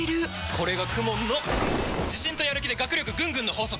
これがＫＵＭＯＮの自信とやる気で学力ぐんぐんの法則！